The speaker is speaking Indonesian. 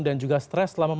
dan juga stres